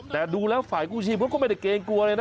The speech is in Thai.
แต่ดูแล้วฝ่ายกู้ชีพเขาก็ไม่ได้เกรงกลัวเลยนะ